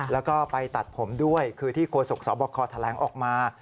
แล้วก็ไปตัดผมด้วยคือที่โฆษกสบคแถลงออกมา